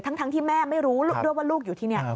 ทั้งที่แม่ไม่รู้ด้วยว่าลูกอยู่ที่นี่